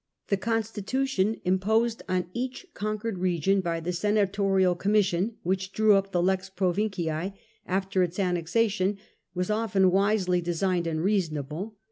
The con stitution imposed on each conquered region, by the sena torial commission which drew up the lex province after its annexation, was often wisely designed and reasonable.